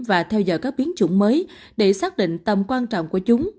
và theo dõi các biến chủng mới để xác định tầm quan trọng của chúng